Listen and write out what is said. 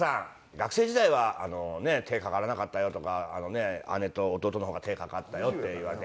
「学生時代は手がかからなかったよ」とか「姉と弟の方が手がかかったよ」って言われて。